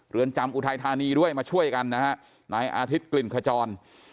เรือนจำอุทัยธานีด้วยมาช่วยกันนะฮะนายอาทิตย์กลิ่นขจร